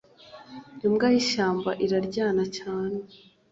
imbwa yishyamba iraryana cyane